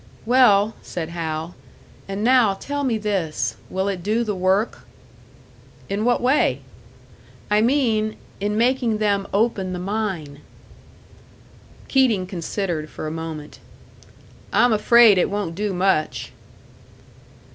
"Well," said Hal, "and now tell me this will it do the work?" "In what way?" "I mean in making them open the mine." Keating considered for a moment. "I'm afraid it won't do much."